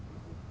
bởi vậy mà